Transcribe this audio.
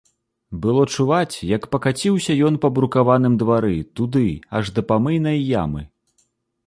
Было чуваць, як пакаціўся ён па брукаваным двары, туды, аж да памыйнай ямы.